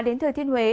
đến thời thiên huế